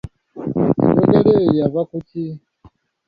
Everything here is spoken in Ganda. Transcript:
Enjogera eyo yava ku ki ?